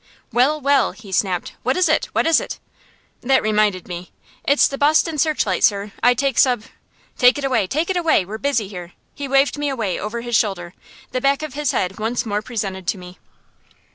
"Well, well!" he snapped, "What is it? What is it?" That reminded me. "It's the 'Boston Searchlight,' sir. I take sub " "Take it away take it away. We're busy here." He waved me away over his shoulder, the back of his head once more presented to me.